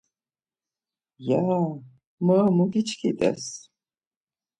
Yaaa... Moro mu giçkit̆es.